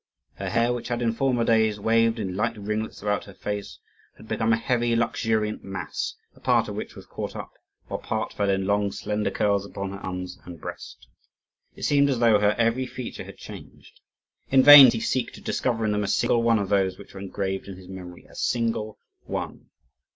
Her hair, which had in former days waved in light ringlets about her face, had become a heavy, luxuriant mass, a part of which was caught up, while part fell in long, slender curls upon her arms and breast. It seemed as though her every feature had changed. In vain did he seek to discover in them a single one of those which were engraved in his memory a single one.